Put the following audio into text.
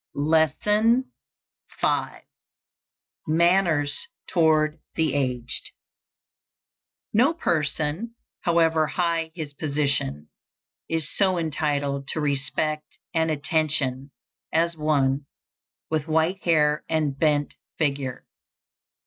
_ LESSON V. MANNERS TOWARD THE AGED. NO person, however high his position, is so entitled to respect and attention as one with white hair and bent figure.